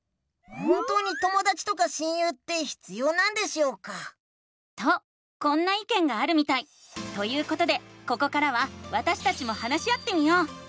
本当にともだちとか親友って必要なんでしょうか？とこんないけんがあるみたい！ということでここからはわたしたちも話し合ってみよう！